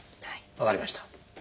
分かりました。